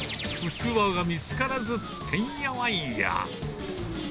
器が見つからず、てんやわんや。